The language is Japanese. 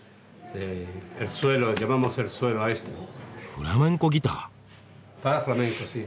フラメンコギター？